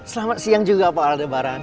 selamat siang juga pak aldebaran